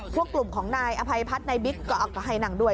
พวกกลุ่มของนายอภัยพัฒน์นายบิ๊กก็ให้นั่งด้วย